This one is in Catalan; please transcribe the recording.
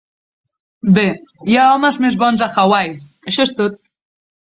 Bé, hi ha homes més bons a Hawaii, això és tot.